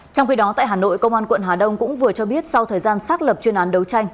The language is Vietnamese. trong khi đó tại hà nội công an quận hà đông cũng vừa cho biết sau thời gian xác lập chuyên án đấu tranh